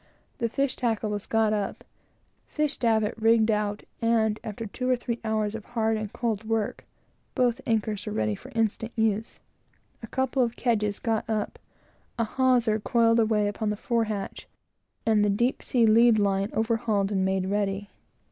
The fish tackle was got up, fish davit rigged out, and after two or three hours of hard and cold work, both the anchors were ready for instant use, a couple of kedges got up, a hawser coiled away upon the fore hatch, and the deep sea lead line overhauled and got ready.